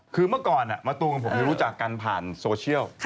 คือเมื่อก่อนมะตูมกับผมรู้จักกันผ่านโซเชียล